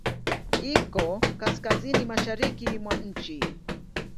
Iko Kaskazini mashariki mwa nchi.